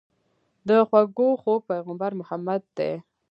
د خوږو خوږ پيغمبر محمد دي.